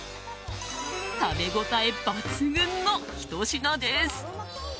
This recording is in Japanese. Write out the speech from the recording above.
食べ応え抜群のひと品です。